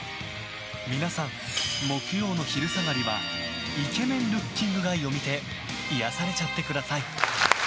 皆さん、木曜の昼下がりはイケメン・ルッキングガイを見て癒やされちゃってください。